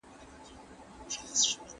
علم واقعيات د علتونو پر بنسټ پيوندوي.